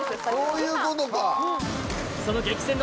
そういうことか。